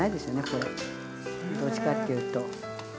これどっちかっていうと。